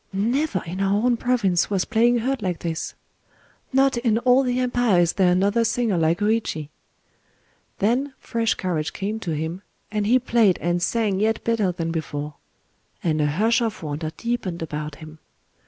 —"Never in our own province was playing heard like this!"—"Not in all the empire is there another singer like Hōïchi!" Then fresh courage came to him, and he played and sang yet better than before; and a hush of wonder deepened about him.